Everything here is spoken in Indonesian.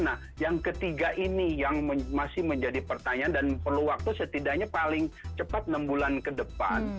nah yang ketiga ini yang masih menjadi pertanyaan dan perlu waktu setidaknya paling cepat enam bulan ke depan